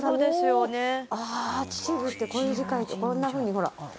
ああ「秩父」ってこういう字書いてこんなふうにほら。